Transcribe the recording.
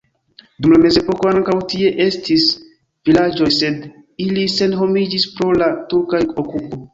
Dum la mezepoko ankaŭ tie estis vilaĝoj, sed ili senhomiĝis pro la turka okupo.